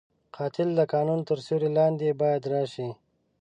قاتل د قانون تر سیوري لاندې باید راشي